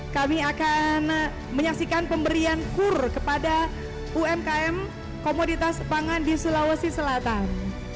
kami akan menyaksikan pemberian kur kepada umkm komoditas pangan di sulawesi selatan